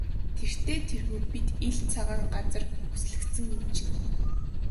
Тэртэй тэргүй бид ил цагаан газар бүслэгдсэн юм чинь.